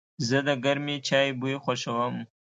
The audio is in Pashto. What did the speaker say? زه د گرمې چای بوی خوښوم.